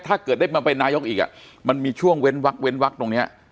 ถ้าเกิดได้มาเป็นนายกอีกมันมีช่วงเว้นวักเว้นวักตรงนี้